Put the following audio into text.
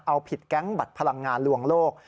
เอาผิดแก๊งบัตรพลังงานลวงโลก